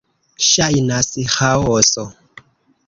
Ŝajnas ĥaoso...